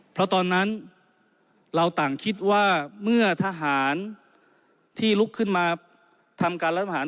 เพราะตอนนั้นเราต่างคิดว่าเมื่อทหารที่ลุกขึ้นมาทำการรัฐประหาร